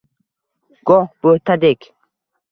Goh bo’tadek